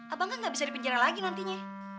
abang kan nggak bisa dipenjara lagi nantinya